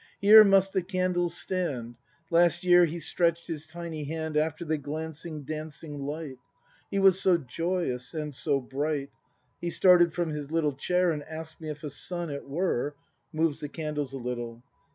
] Here must the candles stand. Last year he stretch'd his tiny hand After the glancing, dancing light: He was so joyous and so bright; He started from his little chair. And ask'd me if a sun it were. [Moves the candles a little.